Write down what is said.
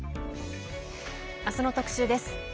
あすの特集です。